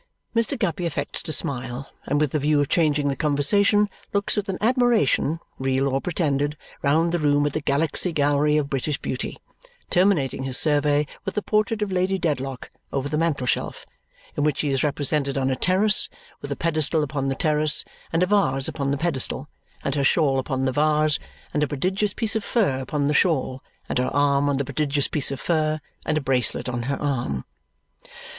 Mr. Guppy affects to smile, and with the view of changing the conversation, looks with an admiration, real or pretended, round the room at the Galaxy Gallery of British Beauty, terminating his survey with the portrait of Lady Dedlock over the mantelshelf, in which she is represented on a terrace, with a pedestal upon the terrace, and a vase upon the pedestal, and her shawl upon the vase, and a prodigious piece of fur upon the shawl, and her arm on the prodigious piece of fur, and a bracelet on her arm.